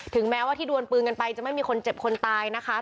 แม้ว่าที่ดวนปืนกันไปจะไม่มีคนเจ็บคนตายนะคะ